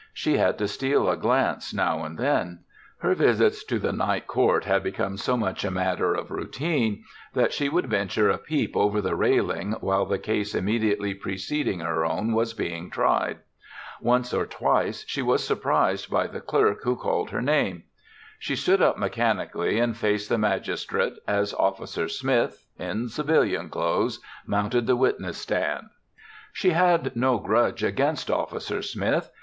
She had to steal a glance now and then. Her visits to the Night Court had become so much a matter of routine that she would venture a peep over the railing while the case immediately preceding her own was being tried. Once or twice she was surprised by the clerk who called her name. She stood up mechanically and faced the magistrate as Officer Smith, in civilian clothes, mounted the witness stand. She had no grudge against Officer Smith.